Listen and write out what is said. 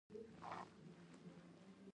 ښکلې او زړه راښکونکې ونې پکې شنې وې.